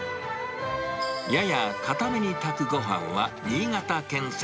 やや硬めに炊くごはんは新潟県産。